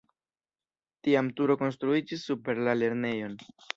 Tiam turo konstruiĝis super la lernejon.